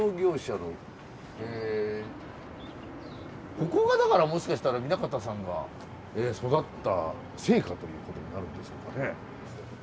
ここがだからもしかしたら南方さんが育った生家ということになるんでしょうかね。